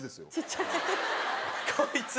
こいつ。